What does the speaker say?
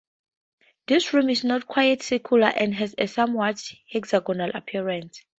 This rim is not quite circular, and has a somewhat hexagonal appearance.